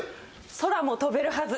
『空も飛べるはず』